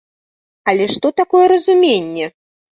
Але што такое разуменне?